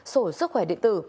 sổ sức khỏe điện tử